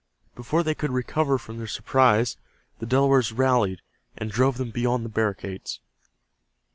Before they could recover from their surprise, the Delawares rallied, and drove them beyond the barricades.